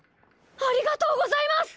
ありがとうございます！